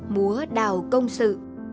múa đào công sự